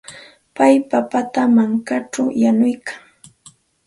Pay papata mankaćhaw yanuyan.